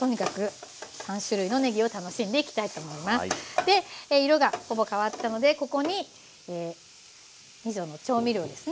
で色がほぼ変わったのでここにみその調味料ですね。